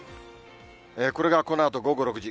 これがこのあと午後６時。